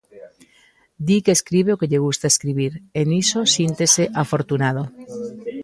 Di que escribe o que lle gusta escribir e niso síntese afortunado.